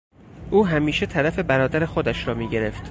او همیشه طرف برادر خودش را میگرفت.